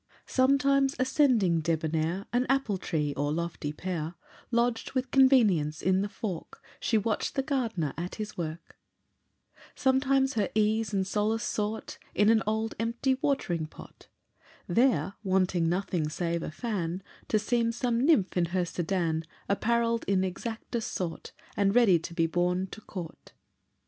Sometimes ascending, debonnair, An apple tree, or lofty pear, Lodged with convenience in the fork, She watch'd the gardener at his work; Sometimes her ease and solace sought In an old empty watering pot: There, wanting nothing save a fan, To seem some nymph in her sedan Apparell'd in exactest sort, And ready to be borne to court.